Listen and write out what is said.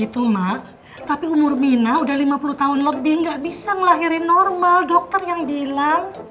tuh tahun lebih gak bisa melahirin normal dokter yang bilang